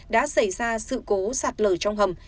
đã xảy ra sự cố sạt lở trong hầm